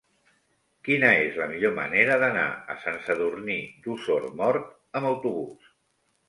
Quina és la millor manera d'anar a Sant Sadurní d'Osormort amb autobús?